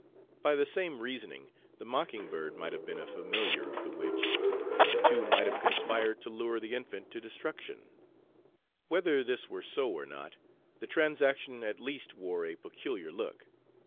By the same reasoning, the mockingbird might have been a familiar of the witch, and the two might have conspired to lure the infant to destruction. Whether this were so or not, the transaction at least wore a peculiar look.